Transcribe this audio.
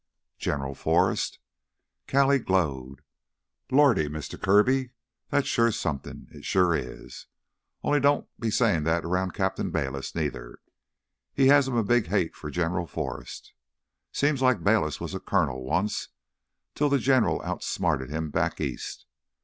"General Forrest!" Callie glowed. "Lordy, Mister Kirby, that's sure somethin', it sure is! Only don't be sayin' that round Cap'n Bayliss neither. He has him a big hate for General Forrest—seems like Bayliss was a colonel once till th' General outsmarted him back east.